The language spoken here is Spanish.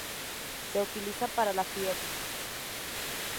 Se utiliza para la fiebre.